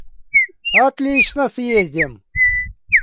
Отлично съездим.